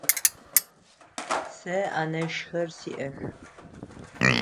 Сэ анэшхэр сиӏэх.